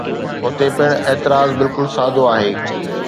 هتي پڻ اعتراض بلڪل سادو آهي.